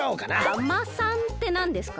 アマさんってなんですか？